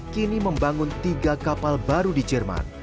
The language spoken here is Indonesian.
kini membangun tiga kapal baru di jerman